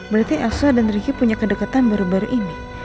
berarti elsa dan ricky punya kedekatan baru baru ini